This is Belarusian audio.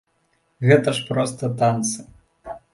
Гэта ж проста танцы.